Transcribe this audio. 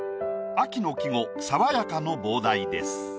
秋の季語「さわやか」の傍題です。